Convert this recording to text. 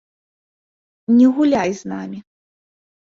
Не гуляй з намі!